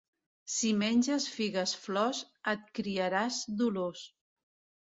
Si menges figues-flors, et criaràs dolors.